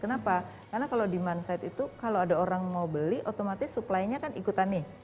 kenapa karena kalau demand side itu kalau ada orang mau beli otomatis supply nya kan ikutan nih